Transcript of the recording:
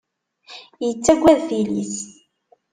Ittagad tili-s.